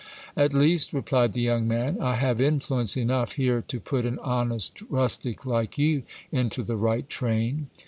At least, replied the young man, I have influence enough here to put an honest rustic like you into the right train.